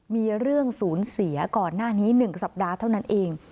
มีเรื่องศูนย์เสียก่อนหน้านี้๑สัปดาห์เท่านั้นเอง